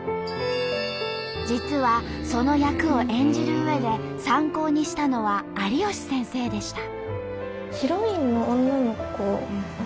実はその役を演じるうえで参考にしたのは有吉先生でした。